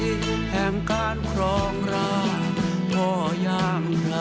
ถ่วยไทยทั่วหน้าน้ำตานองอนันทร์ส่งพ่อสู่ชั้นดูสิตาลัยค่ะ